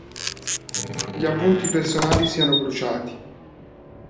Gli appunti personali siano bruciati.